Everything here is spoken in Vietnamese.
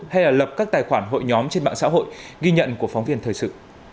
hay là lập các tài khoản hội nhóm trên mạng xã hội ghi nhận của phóng viên thời sự